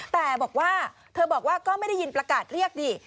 แต่เธอบอกว่าก็ไม่ได้ยินประกาศเรียกดิ